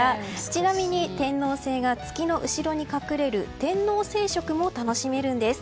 ちなみに天王星が月の後ろに隠れる天王星食も楽しめるんです。